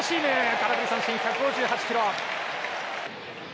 空振り三振１５８キロ。